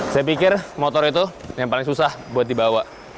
saya pikir motor itu yang paling susah buat dibawa